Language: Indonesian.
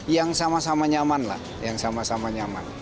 yang sama sama nyaman lah yang sama sama nyaman